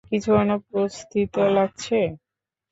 কিছু অনুপস্থিত লাগছে।